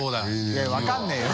いや分からねぇよ。